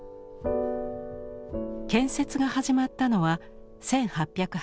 建設が始まったのは１８８２年。